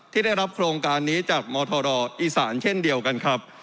ที่ได้รับโครงการนี้จากมธรอีสานเช่นเดียวกันครับ